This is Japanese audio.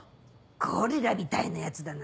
ゴリラみたいなヤツだな。